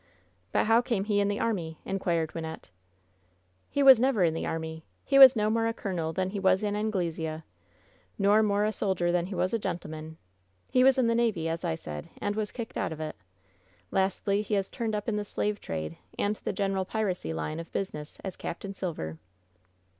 "But how came he in the army?' inquired Wynnette. "He was never in the army. He was no more a colo nel than he was an Anglesea. 'Not more a soldier than he was a gentleman. He was in the navy, as I said, and was kicked out of it. Lastly, he has turned up in the slave trade and the general piracy line of business as Capt. Silver."